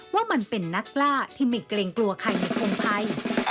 ว่ามันเป็นนักล่าที่ไม่เกรงกลัวใครในคนไทย